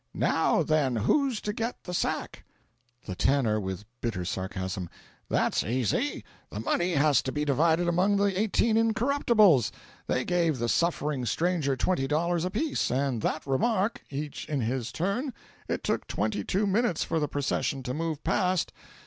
"Now, then, who's to get the sack?" The Tanner (with bitter sarcasm). "That's easy. The money has to be divided among the eighteen Incorruptibles. They gave the suffering stranger twenty dollars apiece and that remark each in his turn it took twenty two minutes for the procession to move past.